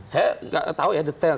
saya tidak tahu detailnya